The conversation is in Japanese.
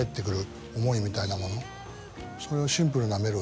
それを。